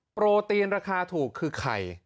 โปรตีนราคาถูกคือไข่